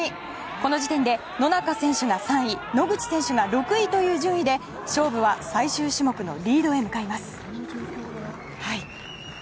この時点で、野中選手が３位野口選手が６位という順位で最終種目のリードへ向かいます。